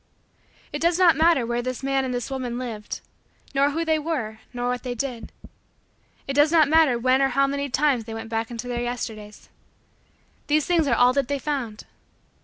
It does not matter where this man and this woman lived, nor who they were, nor what they did. It does not matter when or how many times they went back into Their Yesterdays. These things are all that they found.